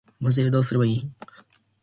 マジでどうすればいいん